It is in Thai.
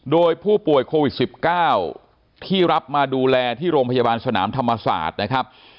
โดยผู้ป่วยโควิด๑๙ที่รับมาดูแลที่โรงพยาบาลสนามธรรมศาสตร์นะครับ